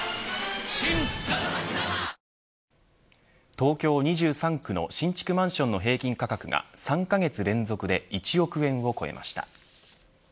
東京２３区の新築マンションの平均価格が３カ月連続で１億円を超えました。